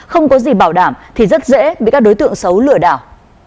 không có gì bảo đảm thì rất dễ bị các đối tượng xấu lừa đảo